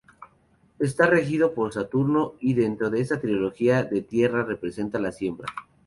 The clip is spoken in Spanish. Está regido por Saturno y dentro de esa trilogía de Tierra representa la Siembra.